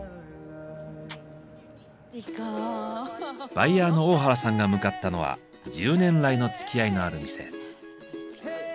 バイヤーの大原さんが向かったのは１０年来のつきあいのある店。